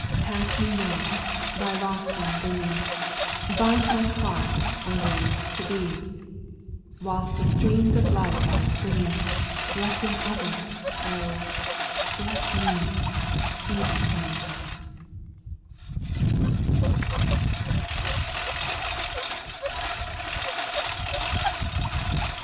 7. Pass me not — Thy lost one bringing. Bind my heart, Lord, to Thee ; Whilst the streams of life are springing, Blessing others, oh ! bless me, — Even me.